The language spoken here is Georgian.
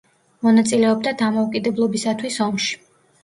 მონაწილეობდა დამოუკიდებლობისათვის ომში.